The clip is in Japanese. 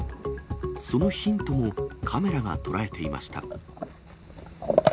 そのヒントもカメラが捉えていました。